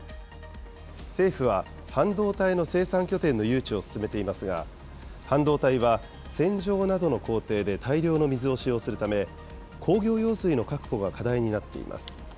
政府は半導体の生産拠点の誘致を進めていますが、半導体は洗浄などの工程で大量の水を使用するため、工業用水の確保が課題になっています。